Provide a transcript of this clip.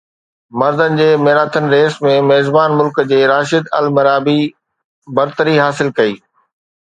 مردن جي marathon race ۾ ميزبان ملڪ جي راشد المرابي برتري حاصل ڪئي